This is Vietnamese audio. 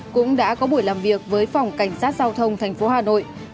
cũng đã có buổi làm việc với phòng cảnh sát giao thông tp hà nội